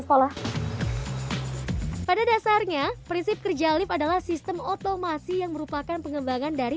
sekolah pada dasarnya prinsip kerja lift adalah sistem otomasi yang merupakan pengembangan dari